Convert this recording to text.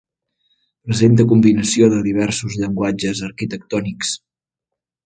Presenta combinació de diversos llenguatges arquitectònics.